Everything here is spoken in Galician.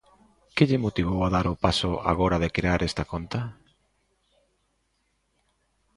Que lle motivou a dar o paso agora de crear esta conta?